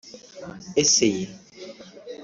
Ese ye